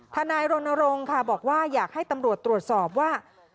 นายรณรงค์ค่ะบอกว่าอยากให้ตำรวจตรวจสอบว่า